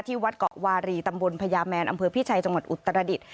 วัดเกาะวารีตำบลพญาแมนอำเภอพิชัยจังหวัดอุตรดิษฐ์